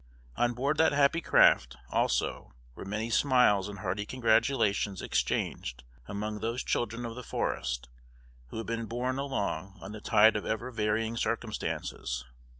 On board that happy craft, also, were many smiles and hearty congratulations exchanged among those children of the forest, who had been borne along on the tide of ever varying circumstances.